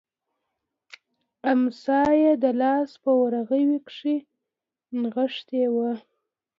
امسا یې د لاس په ورغوي کې نښتې وه.